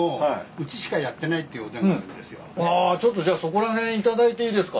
あちょっとじゃあそこら辺頂いていいですか？